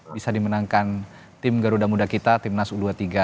bisa dimenangkan tim garuda muda kita timnas u dua puluh tiga